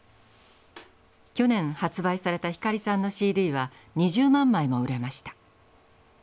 去年発売された光さんのＣＤは２０万枚も売れました。